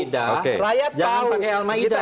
jangan pakai al maida